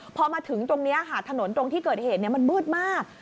พอมาถึงตรงนี้ค่ะถนนตรงที่เกิดเหตุมันมืดมาก